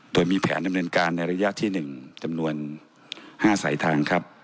โดยมีแผนดำเนินการในระยะที่๑จำนวน๕สายทางครับ